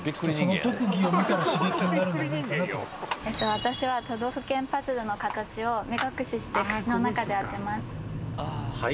私は都道府県パズルの形を目隠しして口の中で当てます。